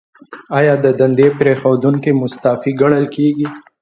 ایا د دندې پریښودونکی مستعفي ګڼل کیږي؟